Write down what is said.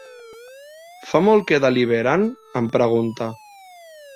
Fa molt que deliberen? —em pregunta.